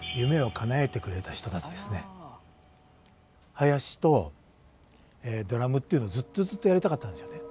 囃子とドラムっていうのずっとずっとやりたかったんですよね。